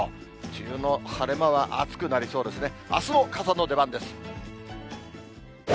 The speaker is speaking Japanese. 梅雨の晴れ間は暑くなりそうですね。